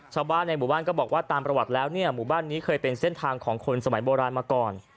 ชาวบ้านในหมู่บ้านก็บอกว่าตามประวัติแล้วเนี่ยหมู่บ้านนี้เคยเป็นเส้นทางของคนสมัยโบราณมาก่อน